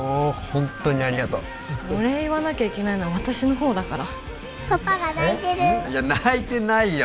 ホントにありがとうお礼言わなきゃいけないのは私の方だからパパが泣いてるえっうん？いや泣いてないよ